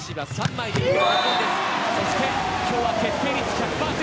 そして今日は決定率１００％